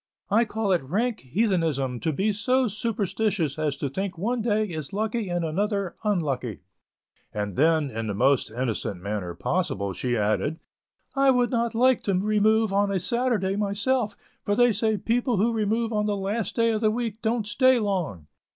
I call it rank heathenism to be so superstitious as to think one day is lucky and another unlucky"; and then, in the most innocent manner possible, she added: "I would not like to remove on a Saturday myself, for they say people who remove on the last day of the week don't stay long."